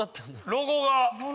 ロゴが。